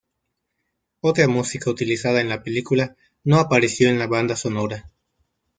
Otra música utilizada en la película no apareció en la banda sonora.